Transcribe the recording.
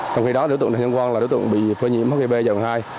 trong khi đó đối tượng trần xuân quang là đối tượng bị phơi nhiễm hiv giai đoạn hai